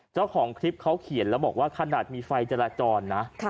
เจ้าของคลิปเขาเขียนแล้วบอกว่าขนาดมีไฟจราจรนะ